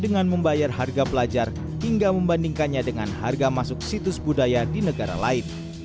dengan membayar harga pelajar hingga membandingkannya dengan harga masuk situs budaya di negara lain